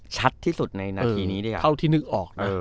ชัดที่สุดในนาทีนี้ด้วย